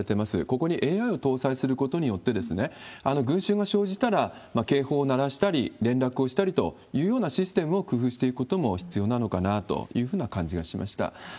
ここにＡＩを搭載することによって、群衆が生じたら警報を鳴らしたり、連絡をしたりというようなシステムを工夫していくことも必要なのかなというふうな感じがしました。